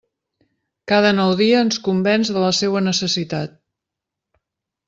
Cada nou dia ens convenç de la seua necessitat.